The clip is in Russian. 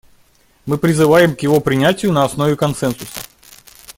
Мы призываем к его принятию на основе консенсуса.